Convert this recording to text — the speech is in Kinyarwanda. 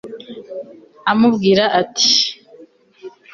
amubwira ati